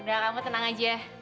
udah kamu tenang aja